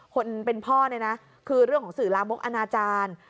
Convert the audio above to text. คนเป็นพ่อเนี่ยนะคือเรื่องของสื่อลามกอนาจารย์